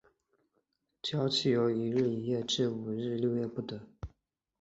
醮期由一日一夜至五日六夜不等。